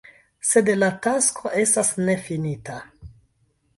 Sed la tasko estas nefinita.